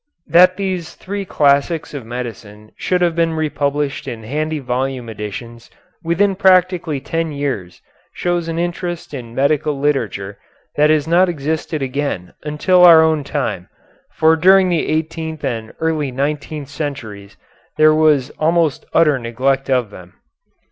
That these three classics of medicine should have been republished in handy volume editions within practically ten years shows an interest in medical literature that has not existed again until our own time, for during the eighteenth and early nineteenth centuries there was almost utter neglect of them.